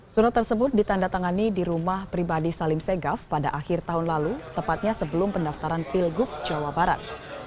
surat tersebut ditandatangani di rumah pribadi salim segaf pada akhir tahun lalu tepatnya sebelum pendaftaran pilgub jawa barat